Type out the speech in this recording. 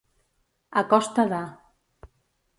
A costa de.